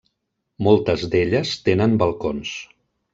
Moltes d'elles tenen balcons.